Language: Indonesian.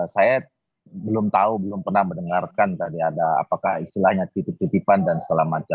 saya belum tahu belum pernah mendengarkan tadi ada apakah istilahnya titip titipan dan segala macam